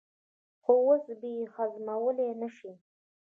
خو اوس یې هضمولای نه شي.